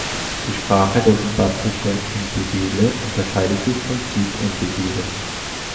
Die Sprache der simbabwischen Ndebele unterscheidet sich vom Süd-Ndebele.